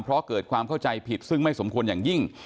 เพราะเกิดความเข้าใจผิดซึ่งไม่สมควรอย่างยิ่ง